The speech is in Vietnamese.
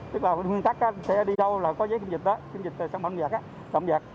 tức là hướng cắt xe đi đâu là có giấy kiểm dịch đó kiểm dịch trong bóng giặc